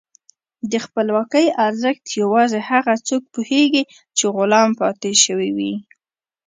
د خپلواکۍ ارزښت یوازې هغه څوک پوهېږي چې غلام پاتې شوي وي.